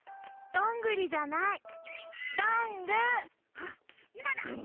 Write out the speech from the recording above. あっいまだ！